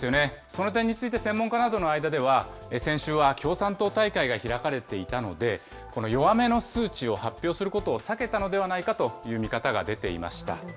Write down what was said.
その点について専門家などの間では、先週は共産党大会が開かれていたので、この弱めの数値を発表するのを避けたのではないかという見方が出ていました。